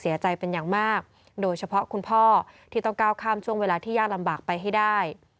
เสียใจเป็นอย่างมากโดยเฉพาะคุณพ่อที่ต้องก้าวข้ามช่วงเวลาที่ยากลำบากไปให้ได้